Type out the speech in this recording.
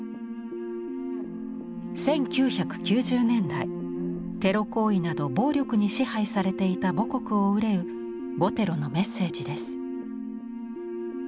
１９９０年代テロ行為など暴力に支配されていた母国を憂うボテロのメッセージです。